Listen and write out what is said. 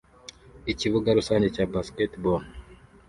Ikibuga rusange cya basketball